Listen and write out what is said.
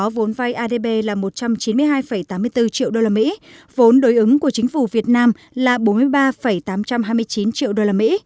vốn vay adb là một trăm chín mươi hai tám mươi bốn triệu usd vốn đối ứng của chính phủ việt nam là bốn mươi ba tám trăm hai mươi chín triệu đô la mỹ